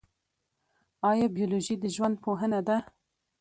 ایا بیولوژي د ژوند پوهنه ده؟